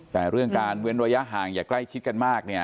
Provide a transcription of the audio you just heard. แต่เรื่องการเว้นระยะห่างอย่าใกล้ชิดกันมากเนี่ย